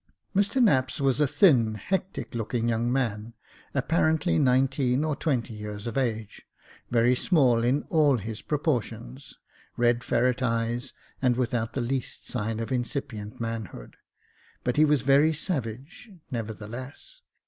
Mr Knapps was a thin, hectic looking young man, apparently nineteen or twenty years of age, very small in ail his proportions, red ferret eyes, and without the least sign of incipient manhood ; but he was very savage, never theless.